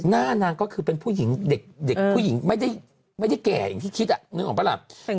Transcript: หน้านางก็คือเป็นผู้หญิงเด็กผู้หญิงไม่ได้แก่อย่างที่คิดนึกออกปะล่ะ